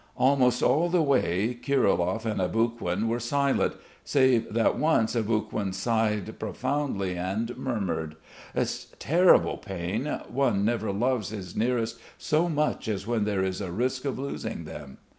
Almost all the way Kirilov and Aboguin were silent; save that once Aboguin sighed profoundly and murmured. "It's terrible pain. One never loves his nearest so much as when there is the risk of losing them."